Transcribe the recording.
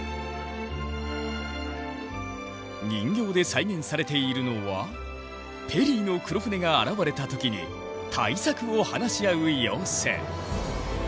人形で再現されているのはペリーの黒船が現れた時に対策を話し合う様子。